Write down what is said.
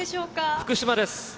福島です。